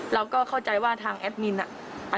เราก็เข้าใจว่าทางแอดมิน